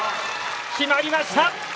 決まりました！